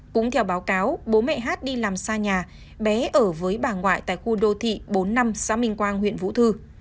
cũng theo báo cáo bố mẹ hát đi làm xa nhà bé ở với bà ngoại tại khu đô thị bốn mươi năm xã minh quang huyện vũ thư